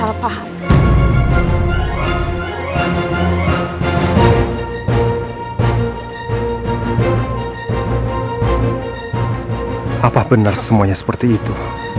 apa benar semuanya seperti itu